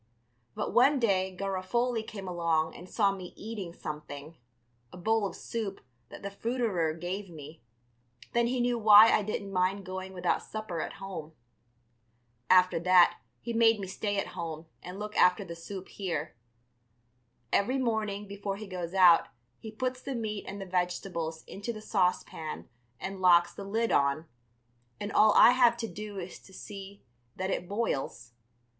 But one day Garofoli came along and saw me eating something, a bowl of soup that the fruiterer gave me, then he knew why I didn't mind going without supper at home. After that he made me stay at home and look after the soup here. Every morning before he goes out he puts the meat and the vegetables into the saucepan and locks the lid on, and all I have to do is to see that it boils.